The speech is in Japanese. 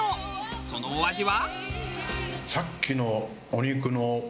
そのお味は？